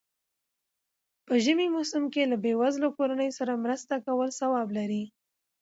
په ژمی موسم کی له بېوزلو کورنيو سره مرسته کول ثواب لري.